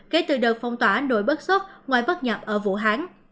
kể từ đợt phong tỏa nổi bất xót ngoài bất nhập ở vũ hán